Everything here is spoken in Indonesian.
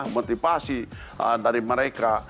motivasi dari mereka